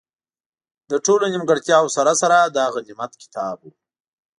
له ټولو نیمګړتیاوو سره سره، دا غنیمت کتاب وو.